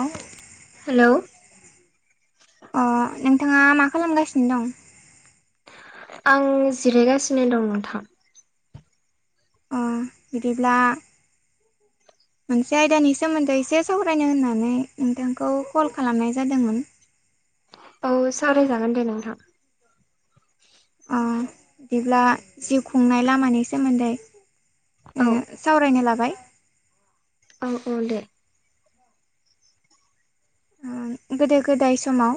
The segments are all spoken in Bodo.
औ हेलौ, अ नोंथाङा मा खालामगासिनो दं । आं जिरायगासिनो दं नोंथां। अ बिदिब्ला मोनसे आयदानि सोमोन्दै एसे सावरायनो होननानै नोंथांखौ कल खालामनाय जादोंमोन । औ सावरायजागोन दे नोंथां। अ दिब्ला जिउ खुंनाय लामानि सोमोन्दै औ ओ सावरायनो लाबाय औ औ दे ओ गोदो गोदाय समाव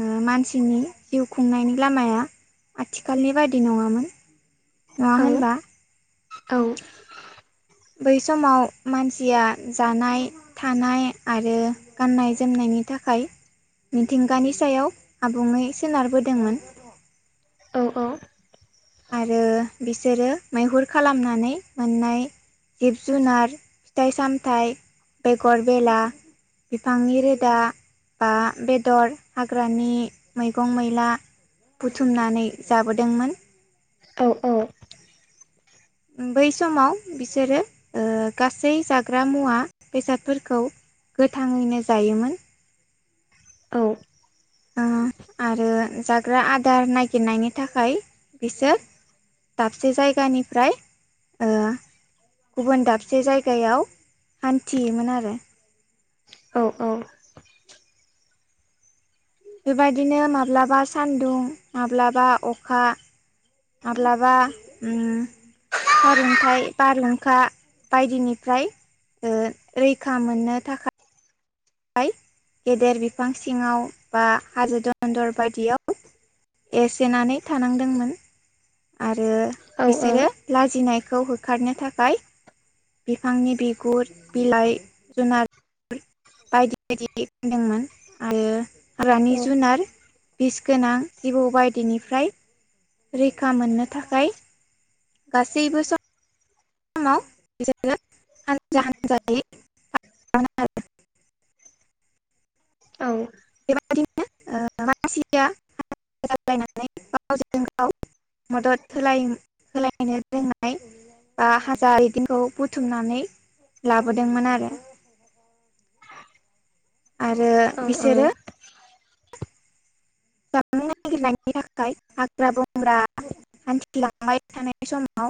ओ मानसिनि जिउ खुंनायनि लामाया आथिखालनि बायदि नङामोन नङा औ होनबा औ बै समाव मानसिया जानाय थानाय आरो गाननाय जोमनायनि थाखाय मिथिंगानि सायाव आबुङै सोनारबोदोंमोन । औ औ आरो बिसोरो मैहुर खालामनानै मोननाय जिब-जुनार फिथाइ-सामथाइ बेगर बेला बिफांनि रोदा बा बेदर हाग्रानि मैगं मैला बुथुमनानै जाबोदोंमोन। औ-औ उम बै समाव बिसोरो ओ गासै जाग्रा मुवा बेसादफोरखौ गोथाङैनो जायोमोन । औ ओ- आरो जाग्रा आदार नागिरनायनि थाखाय बिसोर दाबसे जायगानिफ्राय ओ गुबुन दाबसे जायगायाव हान्थियोमोन आरो औ औ बेबायदिनो माब्लाबा सान्दुं माब्लाबा अखा माब्लाबा उम- सारन्थाइ बारहुंखा बायदिनिफ्राय ओ रैखा मोननो थाखाय थाखाय गेदेर बिफां सिङाव बा हाजो दनन्दर बायदियाव एसेनानै थानांदोंमोन आरो बिसोरो लाजिनाय खौ होखारनो थाखाय बिफांनि बिगुर बिलाइ जुनार । बायदि बायदि गानदोंमोन आरो हाग्रानि जुनार [unintelligible] बिस गोनां जिबौ बायदिनिफ्राय रैखा मोननो थाखाय गासैबो सम समाव बिसोरो हानजा हानजा थायोमोननो [unintelligible] [inaudible] औ बेबादिनो ओ मानसिया [unintelligible] गावजों गाव । मदद होलायो [inaudible] होलायनो रोंनाय बा हाजा बिदिंखौ बुथुमनानै लाबोदोंमोन आरो। आरो बिसोरो [unintelligible] नागिरनायनि थाखाय हाग्रा बंग्रा हान्थिलांबाय थानाय समाव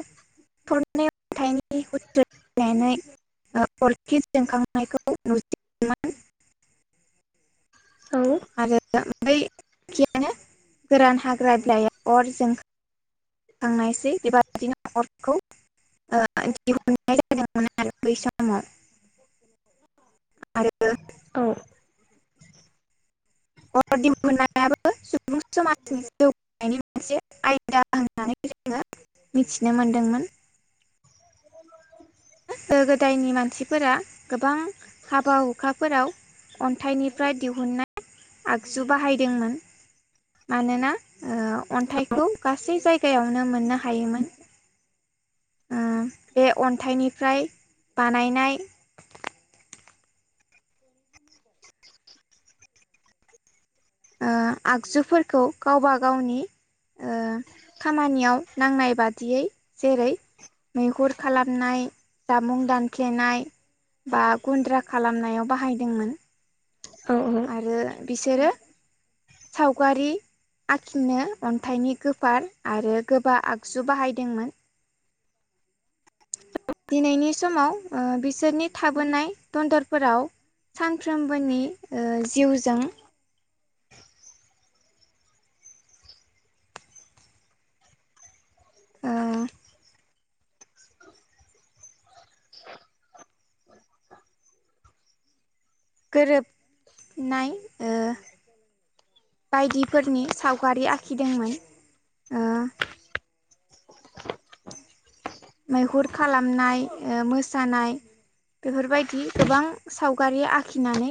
[unintelligible] [unintelligible] आ अरखि जोंखांनायखौ नु [unintelligible] मोन । आरो ओमफ्राय बखियानो गोरान हाग्रा बिलाइाया अर जों खांनायसै बेबा दिनो अरखौ औ अंखि हुननाय जादोंमोन आरो बै समाव [unintelligible] आरो औ अर दि मोनयाबो सुबुं समाजनि जिउ मोनसे आयदा होननानै जोङो मिथिनो मोनदोंमोन। [inaudible] गोदो गोदायनि मानसिफोरा गोबां हाबा हुखाफोराव अन्थाइनिफ्राय दिहुुननाय आगजु बाहायदोंमोन। मानोना ओ अन्थाइखौ गासै जायगायावनो मोननो हायोमोन‌ बे अन्थाइनिफ्राय बानायनाय अओ आगजुफोरखौ गावबा गावनि ओ खामानियाव नांनाय बादियै जेरै मैहुर खालामनाय जामुं दानफ्लेनाय बा गुन्द्रा खालामनायाव बाहायदोंमोन। आरो बिसोरो सावगारि आखिनो अन्थाइनि गोफार आरो गोबा आगजु बाहायदोंमोन दिनैनि समाव बिसोरनि थाबोनाय दन्दरफोराव सानफ्रोमबोनि जिउजों ओ गोरोबनाय ओ बायदिफोरनि सावगारि आखिदोंमोन ओ मैहुर खालामनाय मोसानाय बेफोरबायदि गोबां सावगारि आखिनानै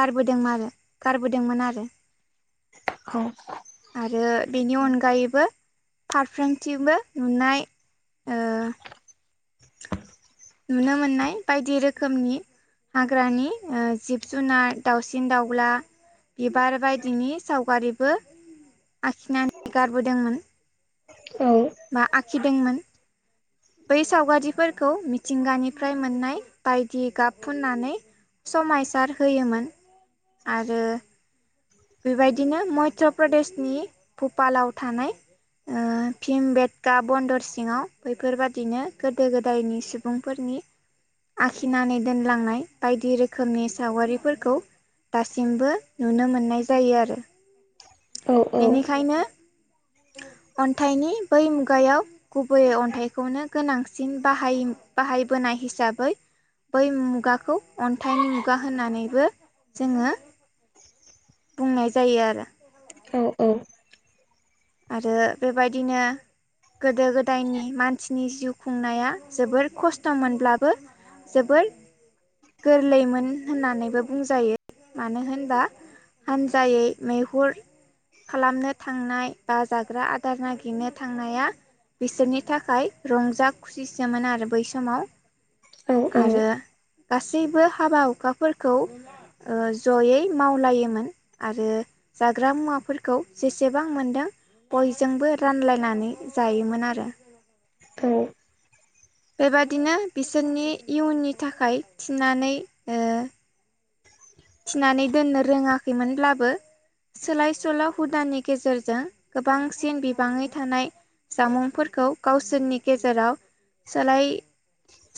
गारबोदों आरो गारबोदोंमोन आरो हब आरो बेनि अनगायैबो फारफ्रोमथिंबो नुनाय ओ नुनो मोननाय बायदि रोखोमनि हाग्रानि जिब जुनार दाउसिन दाउला बिबार बायदिनि सावगारिबो आखिनानै गारबोदोंमोन औ बा आखिदोंमोन बै सावगारिफोरखौ मिथिंगानिफ्राय मोननाय बायदि गाब फुननानै समायसार होयोमोन आरो बेबायदिनो मध्य प्रदेशनि भपालाव थानाय औ भिम बेेदका बन्दर सिङाव बैफोरबादिनो गोदो गोदायनि सुबुंफोरनि नि आखिनानै दोनलांनाय बायदि रोखोमनि सावगारिफोरखौ दासिमबो नुनो मोननाय जायो आरो बेनिखायनो [unintelligible] अन्थाइनि बै मुगायाव गुबैयै अन्थाइखौनो गोनांसिन बाहायोमोन बाहायबो होननाय हिसाबै बै मुगाखौ अन्थाइनि मुगा होनानैबो जोङो बुंनाय जायो आरो औ औ आरो बेबायदिनो गोदो गोदायनि मानसिनि जिउ खुंनाया जोबोर खस्थ' मोनब्लाबो जोबोद गोरलैमोन होननानैबो बुंजायो मानो होनबा हान्जायै मैहुर खालामनो थांनाय बा जाग्रा आदार नागिरनो थांनाया बिसोरनि थाखाय रंजा खुसिसोमोन आरो बै समाव ओं ओं आरो गासैबो हाबा हुखाफोरखौ जयै मावलायोमोन आरो जाग्रा मुवाफोरखौ जेसेबां मोनदों बयजोंबो रानलायनानै जायोमोन आरो ध बेबादिनो बिसोरनि इयुननि थाखाय थिनानै ओ थिनानै दोननो रोङाखैमोनब्लाबो सोलायसोल' हुदानि गेजेरजों गोबांसिन बिबाङै थानाय जामुंफोरखौ गावसोरनि गेजेराव सोलाय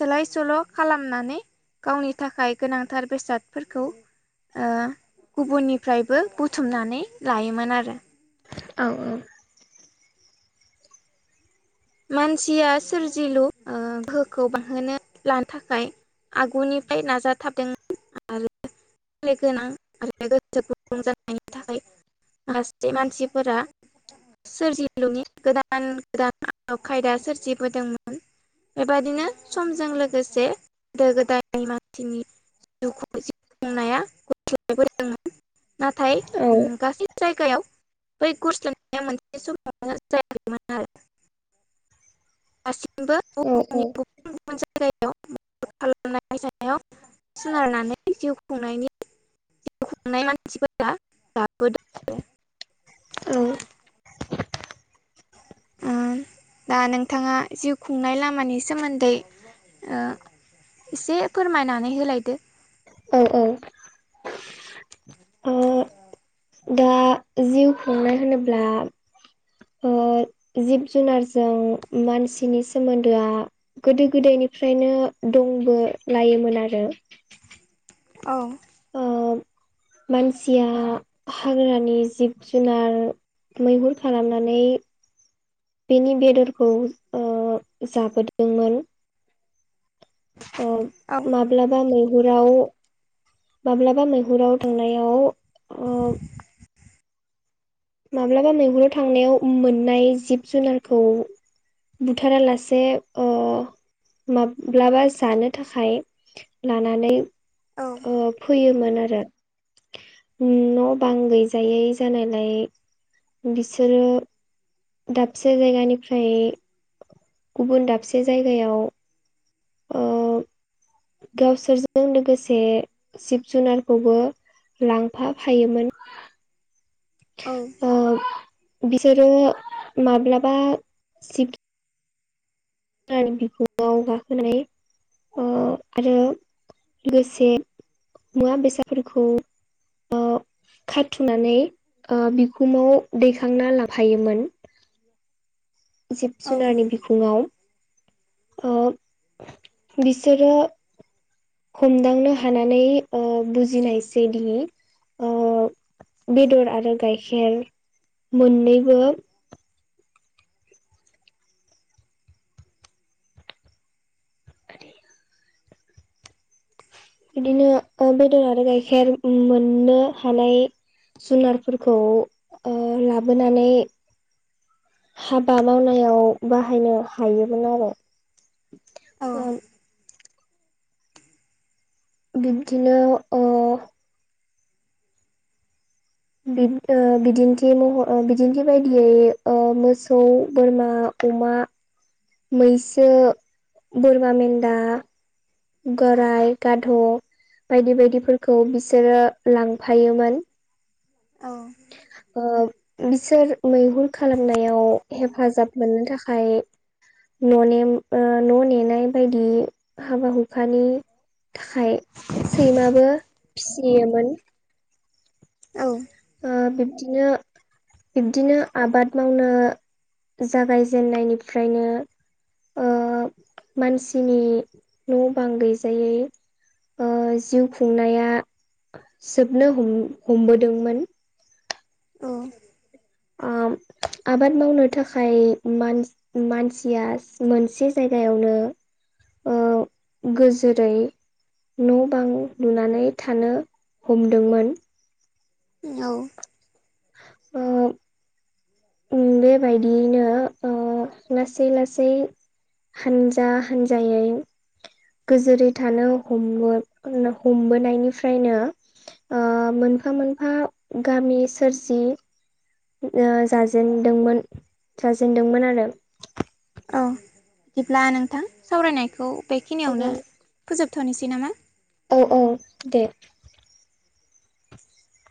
सोलाय सोल' खालामनानै गावनि थाखाय गोनांथार बेसादफोरखौ गुबुननिफ्रायबो बुथुमनानै लायोमोन आरो औ औ मानसिया सोरजिलु गोहोखौ बांहोनो लानो थाखाय आगुनिफ्राय नाजाथाबदोंमोन आरो गोनां आरो गोसो गुदुं जानायनि थाखाय लासै मानसिफोरा सोरजिलुनि गोदान गोदान खा बेबायदिनो समजों लोगोसे गोदो गोदाय माथनि जिउ खुं जि खुंनाया ग नाथाय अम गासै जाय दा खालामनाय जानायाव सोनारनानै जिउ खुंनायनि दिखुं नाय मानसिफोरा दाबोदों ओम दा नोंथां जिउ खुंनाय लामानि सोमोन्दै औ ईसे फोरमायनानै होलायदो औ औ दा जिउ खुंनाय होनोब्ला ओ जिब जुनारजों मानसिनि सोमोन्दोआ गोदो गोदायनि निफ्रायबो दंबो लायोमोन आरो औ ओ मानसिया हाग्रानि जिब जुनार मैहुर खालामनानै बेनि बेदरखौ ज जाबोदोंमोन अ औ माब्लाबा मै हबाव माब्लाबा मैहुराव थांनायाव औ माब्लाबा मैहुराव थांनायाव मोननाय जिब जुनारखौ बुथारालसे ओ माब्लाबा जानो थाखाय लानानै औ ओ फैयोमोन आरो न' बां गैजायै जानायलाय बिसोरो दाबसे जायगानिफ्राय गुबुन दाबसे जायगायाव ओ गावसोरजों लोगोसे जुनारखौबो लांफाफायोमोन औ ओ बिसोरो माब्लाबा सिख बिखु‌ङाव गाखोनाय अ आरो लोगोसे मुवा-बेसादफोरखौ ओ खाथुमनानै ओ बि बिखुङाव दैखांना लांफायोमोन। द [inaudible] जिब जुनारनि बिखुङाव ओ बिसोरो हमदांनो हानानै ओ बुजिनायसै दिनै ओ बेदर आरो गाइखेर मोननैबो आरो [inaudible] बिदिनो बेदर आरो गाइखेर मोननो हानाय जुनारफोरखौ ओ लाबोनानै हाबा मावनायाव बाहायनो हायोमोन आरो औ ओ बिब्दिनो ओ बिन ओ बिदिन्थि महर बिदिन्थि बायदियै मोसौ बोरमा अमा मैसो बोरमा मेन्दा गराइ गाध बायदि-बायदिफोरखौ बिसोरो लांफायोमोन। औ ओ बिसोर मैहुर खालामनायाव हेफाजाब मोननो थाखाय न' नेम ओ न' नेनाय बायदि हाबा हुखानि थाखाय सैमाबो फिसियोमोन। औ। ओ बिब्दिनो बिब्दिनो आबाद मावनो जागायजेननायनिफ्रायनो ओ मानसिनि न' बां गैजायै ओ जिउ खुंनाया जोबनो हम हमबोदोंमोन। औ। ओम [inaudible] आबाद मावनो थाखायान मान मानसिया मोनसे जायगायावनो ओ गोजोरै न' बां लुनानै थानो हमदोंमोन। औ। ओ उम बेबायदियैनो ओ लासै लासै हानजा हान्जायै गोजोरै थानो हमो बो हमबोनायनिफ्रायनो ओ मोनफा मोनफा गामि सोरजि ओ जाजेन दोंमोन जाजेनदोंमोन आरो। औ बिदिब्ला नोंथां सावरायनायखौ बेखिनियावनो फोजोबथ'नोसै नामा? औ औ दे।